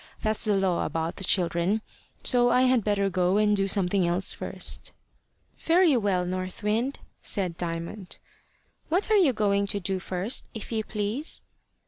That's the law about the children. So I had better go and do something else first." "Very well, North Wind," said Diamond. "What are you going to do first, if you please?"